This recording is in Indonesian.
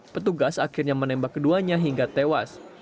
petugas akhirnya menembak keduanya hingga tewas